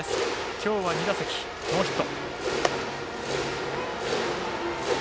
今日は２打席ノーヒット。